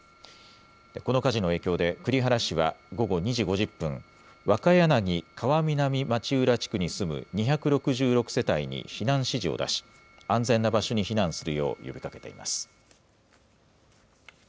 この火事の影響で、栗原市は午後２時５０分、若柳川南町浦地区に住む２６６世帯に避難指示を出し、安全な場所に避難するよう呼びかけています。